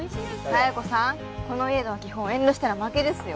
佐弥子さんこの家では基本遠慮したら負けですよ